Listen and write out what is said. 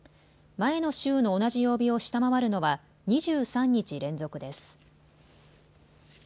前の週の同じ曜日を下回るのは２３日連続です。